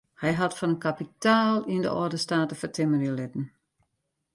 Hy hat foar in kapitaal yn de âlde state fertimmerje litten.